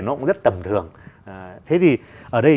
nó cũng rất tầm thường thế thì ở đây